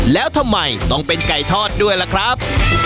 แล้วทำไมต้องเป็นไก่ทอดด้วยล่ะครับ